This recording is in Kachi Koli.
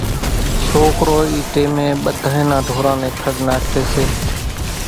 سوڪرو اِي ٽيمين ٻڌانئين نان ڍوران نين کڙ ناکي سي،